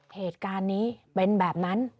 เหตุการณ์นี้เป็นแบบนั้น